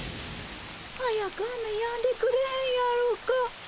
早く雨やんでくれへんやろか。